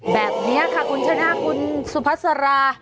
แบบนี้ค่ะคุณชนะคุณสุภาษารา